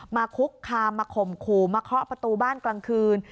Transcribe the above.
คุกคามมาข่มขู่มาเคาะประตูบ้านกลางคืน